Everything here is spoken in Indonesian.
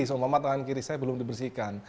seumpama tangan kiri saya belum dibersihkan